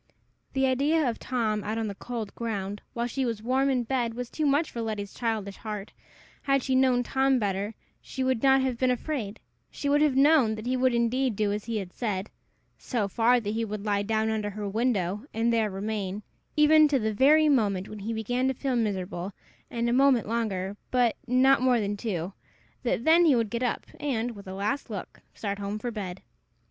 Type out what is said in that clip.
The idea of Tom, out on the cold ground, while she was warm in bed, was too much for Letty's childish heart. Had she known Tom better, she would not have been afraid: she would have known that he would indeed do as he had said so far; that he would lie down under her window, and there remain, even to the very moment when he began to feel miserable, and a moment longer, but not more than two; that then he would get up, and, with a last look, start home for bed.